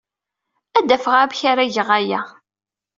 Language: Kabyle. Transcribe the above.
Ad d-afeɣ amek ara geɣ aya.